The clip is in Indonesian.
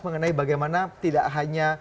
mengenai bagaimana tidak hanya